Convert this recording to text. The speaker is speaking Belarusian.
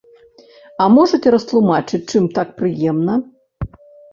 А можаце растлумачыць чым так прыемна?